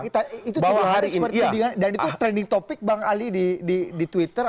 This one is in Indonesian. itu dua hari seperti dan itu trending topic bang ali di twitter